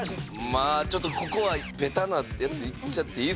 まあちょっとここはベタなやついっちゃっていいですか？